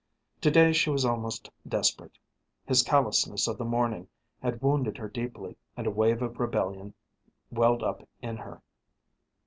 To day she was almost desperate. His callousness of the morning had wounded her deeply, and a wave of rebellion welled up in her.